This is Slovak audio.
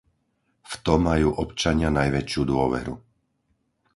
V to majú občania najväčšiu dôveru.